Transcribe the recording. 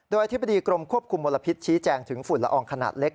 โดยอธิบดีกรมควบคุมมลพิษชี้แจงถึงฝุ่นละอองขนาดเล็ก